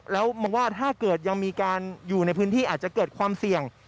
แล้วมองว่าถ้าเกิดยังมีการอยู่ในพื้นที่อาจจะเกิดความเสี่ยง